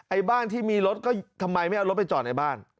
บ้านที่มีรถก็ทำไมไม่เอารถไปจอดในบ้าน